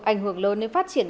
ảnh hưởng lớn đến phát triển